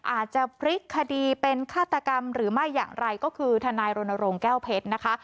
อาจจะพลิกคดีเป็นฆาตกรรมหรือไม่อย่างไรก็คือทนายรณรงค์แก้วเพชรนะคะ